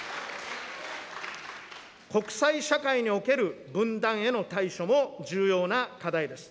国際社会における分断への対処も重要な課題です。